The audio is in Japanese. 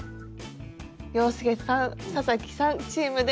洋輔さん佐々木さんチームで。